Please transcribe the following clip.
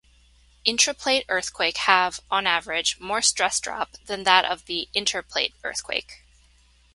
Intraplate earthquake have, on average, more stress drop than that of the interplate earthquake.